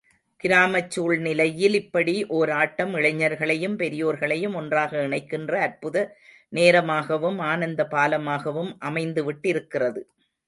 கிராமச் சூழ்நிலையில் இப்படி ஒர் ஆட்டம் இளைஞர்களையும் பெரியோர்களையும் ஒன்றாக இணைக்கின்ற அற்புத நேரமாகவும், ஆனந்த பாலமாகவும் அமைந்துவிட்டிருக்கிறது.